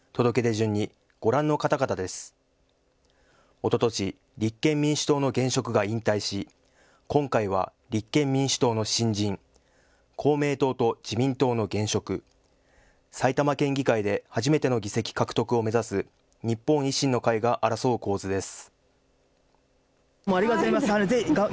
おととし立憲民主党の現職が引退し今回は立憲民主党の新人、公明党と自民党の現職、埼玉県議会で初めての議席獲得を目指す日本維新の会が争う構図です。